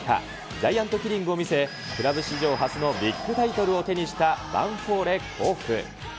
ジャイアントキリングを見せ、クラブ史上初のビッグタイトルを手にしたヴァンフォーレ甲府。